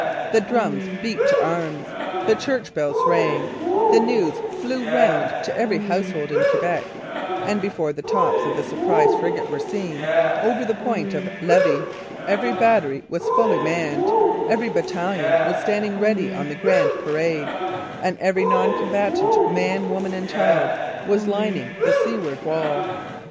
The drums beat to arms, the church bells rang, the news flew round to every household in Quebec; and before the tops of the Surprise frigate were seen over the Point of Levy every battery was fully manned, every battalion was standing ready on the Grand Parade, and every non combatant man, woman, and child was lining the seaward wall.